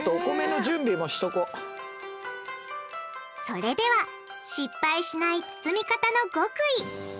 それでは失敗しない包み方の極意！